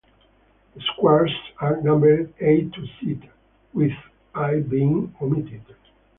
The squares are numbered A to Z with I being omitted.